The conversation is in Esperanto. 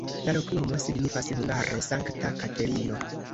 La loknomo signifas hungare: Sankta Katerino.